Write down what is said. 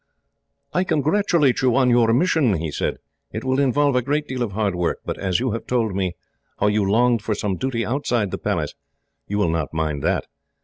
"I congratulate you on your mission," he said. "It will involve a great deal of hard work, but as you have told me how you longed for some duty outside the Palace, you will not mind that.